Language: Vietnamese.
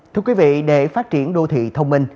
thưa quý vị để phát triển đô thị thông minh